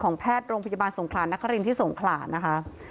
แพทย์โรงพยาบาลสงครานนครินที่สงขลานะคะ